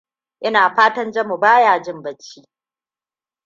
Ina fatan Jami ba ya jin bacci.